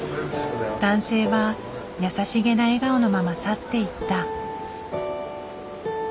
男性は優しげな笑顔のまま去っていった。